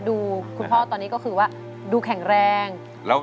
ดูคุณพ่อตอนนี้ก็คือว่าดูแข็งแรง